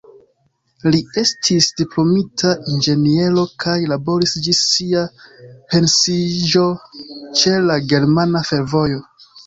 Li estis diplomita inĝeniero kaj laboris ĝis sia pensiiĝo ĉe la Germana Fervojo.